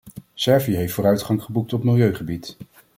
Servië heeft vooruitgang geboekt op milieugebied.